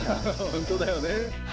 本当だよね。